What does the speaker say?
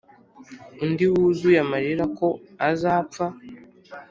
undi wuzuye amarira ko azapfa,